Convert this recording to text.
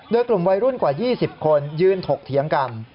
โดยกลุ่มวัยรุ่นกว่า๒๐คนยืนถกเถียงกัน